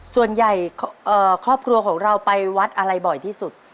ส่วนใหญ่ครอบครัวของเราไปวัดอะไรบ่อยที่สุด